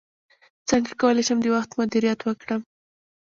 څنګه کولی شم د وخت مدیریت وکړم